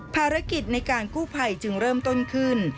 ภารกิจในการกู้ภัยจึงเริ่มต้นขึ้น